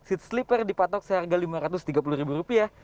seat sleeper dipatok seharga lima ratus tiga puluh ribu rupiah